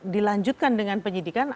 dilanjutkan dengan penyidikan